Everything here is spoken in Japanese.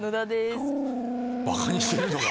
ばかにしてるのか？